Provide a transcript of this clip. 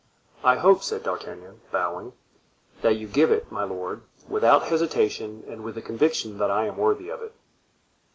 "I hope," said D'Artagnan, bowing, "that you give it, my lord, without hesitation and with the conviction that I am worthy of it."